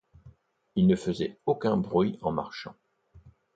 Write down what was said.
Ils ne faisaient aucun bruit en marchant.